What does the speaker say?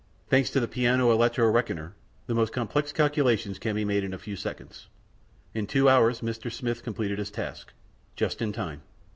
Thanks to the Piano Electro Reckoner, the most complex calculations can be made in a few seconds. In two hours Mr. Smith completed his task. Just in time.